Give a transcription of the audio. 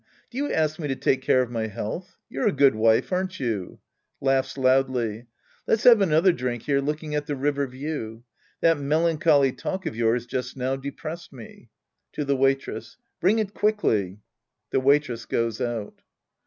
Do you ask me to take care of my health ? You're a good wife, aren't you ? {Laughs loudly^ I.et's have another drink here looking at the river view. That melancholy talk of yours just now depressed me. (Tii the Waitress!) Bring it quickly. (^he Waitress goes out.)